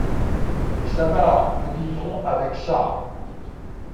Mais ça va, nous vivrons avec ça.